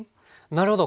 なるほど。